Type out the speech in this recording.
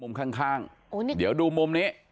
มุมข้างข้างโอ้นี่เดี๋ยวดูมุมนี้